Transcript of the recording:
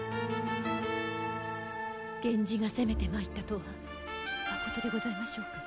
源氏が攻めてまいったとはまことでございましょうか？